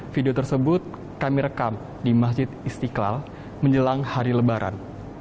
video tersebut kami rekam di masjid istiqlal menjelang hari lebaran